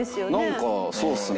なんかそうっすね。